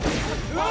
うわ！